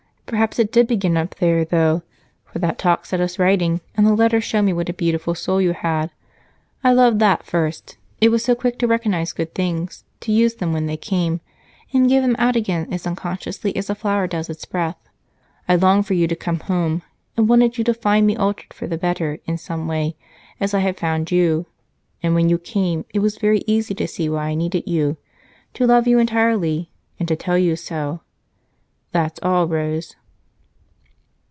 Perhaps it did begin up there, though, for that talk set us writing, and the letters showed me what a beautiful soul you had. I loved that first it was so quick to recognize good things, to use them when they came, and give them out again as unconsciously as a flower does its breath. I longed for you to come home, and wanted you to find me altered for the better in some way as I had found you. And when you came it was very easy to see why I needed you to love you entirely, and to tell you so. That's all, Rose."